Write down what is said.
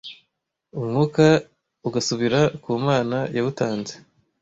umwuka ugasubira ku Mana yawutanze